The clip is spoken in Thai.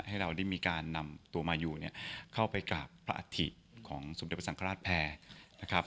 ให้เราได้มีการนำตัวมาอยู่เนี่ยเข้าไปกราบพระอาทิตย์ของสุพธิปสังคราชแพทย์นะครับ